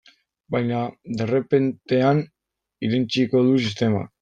Baina derrepentean irentsiko du sistemak.